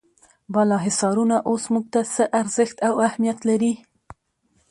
بالا حصارونه اوس موږ ته څه ارزښت او اهمیت لري.